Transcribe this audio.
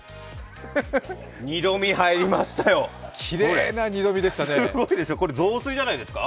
二度見入りましたよ、きれいな二度見でしたね。